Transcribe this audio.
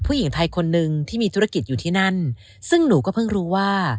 ผู้หญิงไทยคนหนึ่งที่มีธุรกิจอยู่ที่นั่นซึ่งหนูก็เพิ่งรู้ว่า